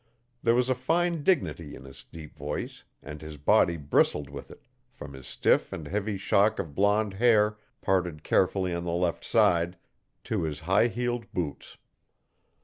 There was a fine dignity in his deep voice, and his body bristled with it, from his stiff and heavy shock of blonde hair parted carefully on the left side, to his high heeled boots.